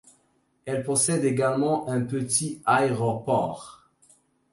Elle possède également un petit aéroport.